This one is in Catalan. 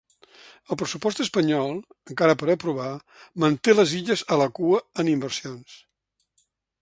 El pressupost espanyol, encara per aprovar, manté les Illes a la cua en inversions.